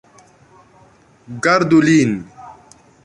Gardu lin!